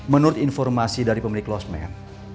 menurut informasi dari pemilik los men